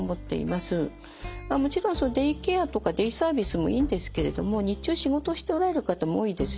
もちろんデイケアとかデイサービスもいいんですけれども日中仕事しておられる方も多いですし